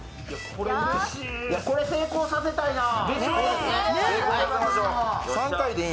これ、成功させたいなあ！